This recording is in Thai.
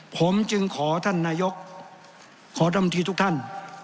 ผมจึงขอท่านนายกขอดำทีทุกท่าน